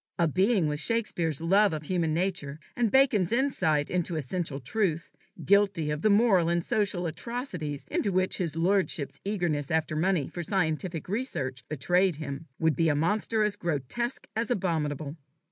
A being with Shakespeare's love of human nature, and Bacon's insight into essential truth, guilty of the moral and social atrocities into which his lordship's eagerness after money for scientific research betrayed him, would be a monster as grotesque as abominable.